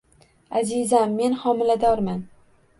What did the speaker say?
- Azizam, men xomiladorman!